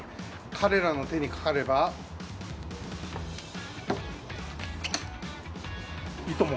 彼らの手にかかればいとも